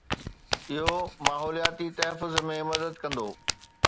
اهو ماحولياتي تحفظ ۾ مدد ڪندو.